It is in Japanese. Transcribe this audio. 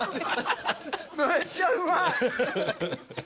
めっちゃうまい！